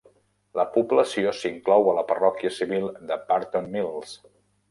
La població s'inclou a la parròquia civil de Barton Mills.